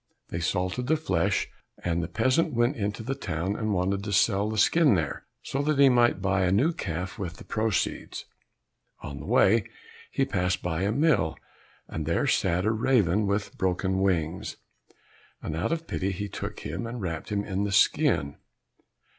They salted the flesh, and the peasant went into the town and wanted to sell the skin there, so that he might buy a new calf with the proceeds. On the way he passed by a mill, and there sat a raven with broken wings, and out of pity he took him and wrapped him in the skin.